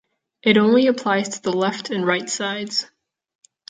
It only applies to the left and right sides.